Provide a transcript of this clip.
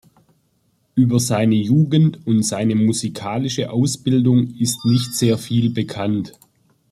Über seine Jugend und seine musikalische Ausbildung ist nicht sehr viel bekannt.